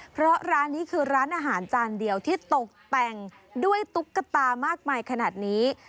เพราะร้านนี้คือร้านอาหารจานเดียวที่ตกแต่งด้วยตุ๊กตามากมายขนาดนี้